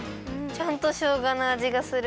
ちゃんとしょうがのあじがする。